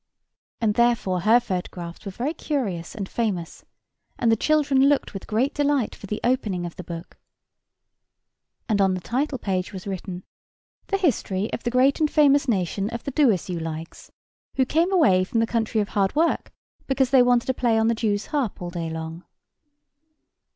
And therefore her photographs were very curious and famous, and the children looked with great delight for the opening of the book. And on the title page was written, "The History of the great and famous nation of the Doasyoulikes, who came away from the country of Hardwork, because they wanted to play on the Jews' harp all day long."